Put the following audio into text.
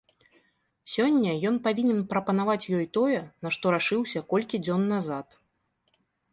Сёння ён павінен прапанаваць ёй тое, на што рашыўся колькі дзён назад.